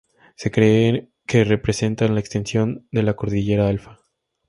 Se cree que representan la extensión de la Cordillera Alpha.